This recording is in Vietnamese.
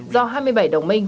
do hai mươi bảy đồng minh